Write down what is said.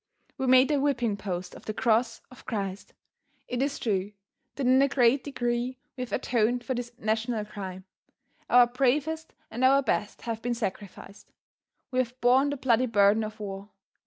We made a whip ping post of the cross of Christ. It is true that in a great degree we have atoned for this national crime. Our bravest and our best have been sacrificed. We have borne the bloody burden of war.